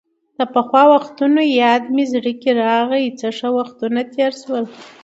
د پخوا وختونو یاد مې زړه کې راغۍ، څه ښه وختونه تېر شول.